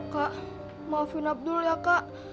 kak maafin abdul ya kak